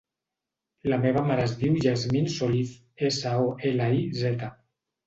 La meva mare es diu Yasmine Soliz: essa, o, ela, i, zeta.